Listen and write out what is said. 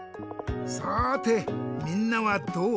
さてみんなはどう？